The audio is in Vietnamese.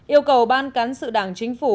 yêu cầu ban cán sự đảng chính phủ